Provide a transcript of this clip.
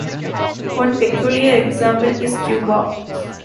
One peculiar example is Cuba.